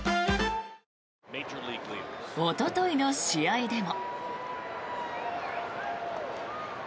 おとといの試合でも。